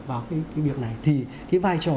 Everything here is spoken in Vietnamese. vào cái việc này thì cái vai trò